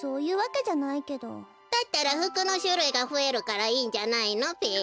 だったらふくのしゅるいがふえるからいいんじゃないのべ。